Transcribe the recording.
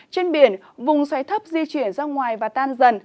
trên biển vùng xoáy thấp di chuyển ra ngoài và tan dần